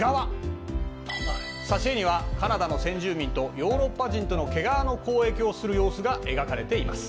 挿絵にはカナダの先住民とヨーロッパ人との毛皮の交易をする様子が描かれています。